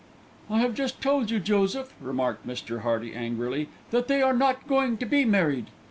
"I have just told you, Joseph," remarked Mr. Hearty angrily, "that they are not going to be married."